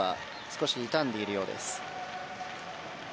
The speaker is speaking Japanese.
少し痛んでいるようです。